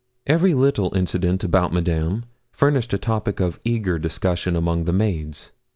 Every little incident about Madame furnished a topic of eager discussion among the maids.